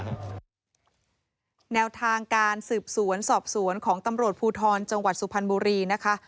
แนวทางการสืบสวนสอบสวนของตำรวจภูทรจังหวัดสุพรรณบุรีนะคะ